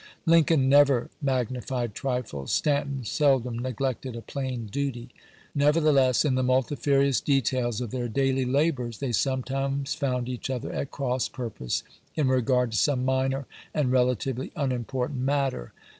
Lincoln never magnified trifles ; Stanton seldom neglected a plain duty. Nevertheless, in the multifarious details of their daily labors they sometimes found each other at cross purpose in regard to some minor and relatively unimportant matter.